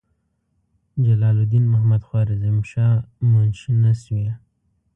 جلال الدین محمدخوارزمشاه منشي نسوي.